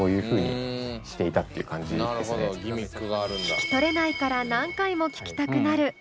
聴き取れないから何回も聴きたくなる。